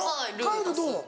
彼女どう？